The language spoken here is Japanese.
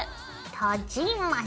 閉じます。